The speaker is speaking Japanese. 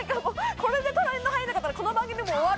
これでトレンド入らなかったらこの番組終わる。